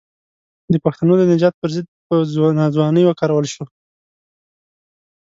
د پښتنو د نجات پر ضد په ناځوانۍ وکارول شو.